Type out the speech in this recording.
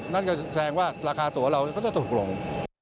นั่นก็แสดงว่าราคาตัวเราก็จะถูกลง